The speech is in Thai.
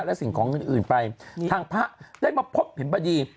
และสิ่งของอื่นไปทางพระได้มาพบเห็นพอดี